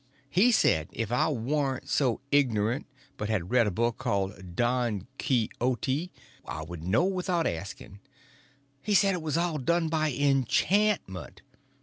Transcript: He said if I warn't so ignorant, but had read a book called Don Quixote, I would know without asking. He said it was all done by enchantment.